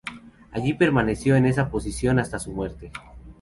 Allí permaneció en esa posición hasta su muerte.